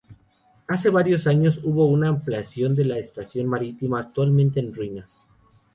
Hace varios años hubo una ampliación de la Estación Marítima, actualmente en ruinas.